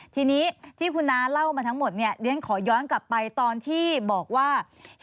ทีนี้ที่คุณน้าเล่ามาทั้งหมดเนี่ยเรียนขอย้อนกลับไปตอนที่บอกว่า